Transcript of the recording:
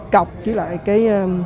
cọc với lại cái